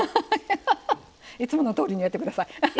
いつものとおりにやってください。